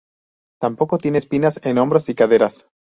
Tampoco tiene espinas en hombros y caderas.